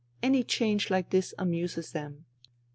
Any change like this amuses them."